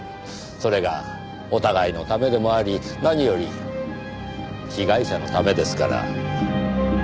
それがお互いのためでもあり何より被害者のためですから。